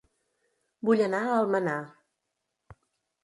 Vull anar a Almenar